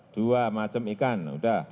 dua macam ikan udah